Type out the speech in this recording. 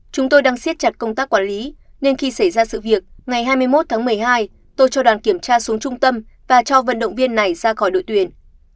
chúng tôi đang siết chặt công tác quản lý nên khi xảy ra sự việc ngày hai mươi một tháng một mươi hai tôi cho đoàn kiểm tra xuống trung tâm và cho vận động viên này ra khỏi đội tuyển